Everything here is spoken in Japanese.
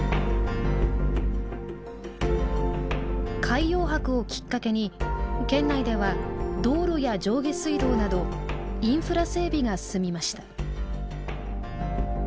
海洋博をきっかけに県内では道路や上下水道などインフラ整備が進みました。